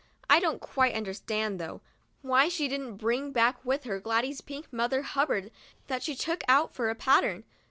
I don't quite understand, though, why she didn't bring back with her Gladys's pink Mother Hubbard that she took out for a pattern.